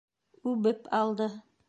Үбеп алды.